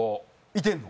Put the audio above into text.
いてんの？